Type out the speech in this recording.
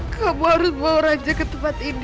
kamu harus bawa raja ke tempat ini